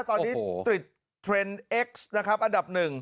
ตอนนี้ติดเทรนด์เอ็กซ์นะครับอันดับหนึ่ง